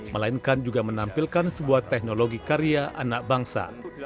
melainkan juga menampilkan sebuah teknologi karya anak bangsa